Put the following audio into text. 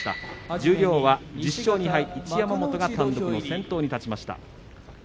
十両は１０勝２敗、一山本が単独先頭に立ちました。